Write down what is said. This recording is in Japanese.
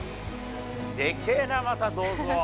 でけーな、また、銅像。